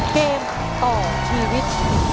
เกมต่อชีวิต